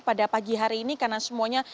pada pagi hari ini karena semuanya